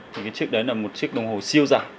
thì cái chiếc đấy là một chiếc đồng hồ siêu giả